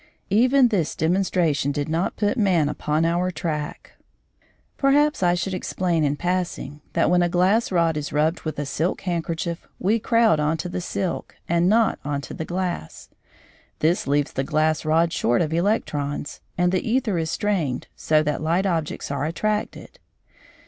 Even this demonstration did not put man upon our track. Perhaps I should explain in passing, that when a glass rod is rubbed with a silk handkerchief we crowd on to the silk, and not on to the glass. This leaves the glass rod short of electrons, and the æther is strained so that light objects are attracted.